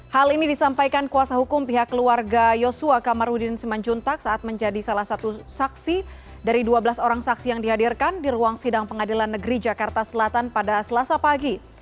hal ini disampaikan kuasa hukum pihak keluarga yosua kamarudin simanjuntak saat menjadi salah satu saksi dari dua belas orang saksi yang dihadirkan di ruang sidang pengadilan negeri jakarta selatan pada selasa pagi